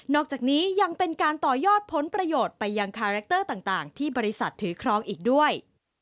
อกจากนี้ยังเป็นการต่อยอดผลประโยชน์ไปยังคาแรคเตอร์ต่างที่บริษัทถือครองอีกด้วย